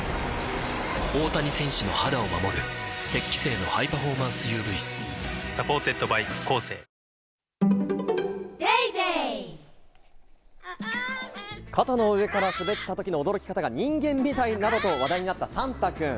大谷選手の肌を守る「雪肌精」のハイパフォーマンス ＵＶサポーテッドバイコーセー肩の上から滑ったときの驚き方が人間みたい！などと話題になったさんたくん。